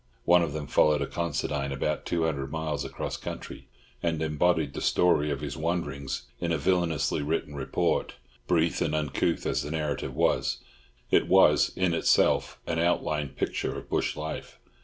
One of them followed a Considine about two hundred miles across country, and embodied the story of his wanderings in a villainously written report; brief and uncouth as the narrative was, it was in itself an outline picture of bush life.